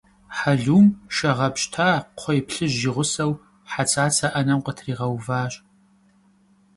Хьэлум шэ гъэпщта къхуей плъыжь и гъусэу Хьэцацэ ӏэнэм къытригъэуващ.